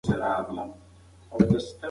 که ونې کښېنوو نو هوا نه ککړیږي.